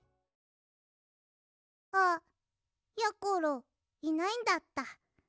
あやころいないんだった。